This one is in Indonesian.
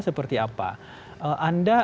seperti apa anda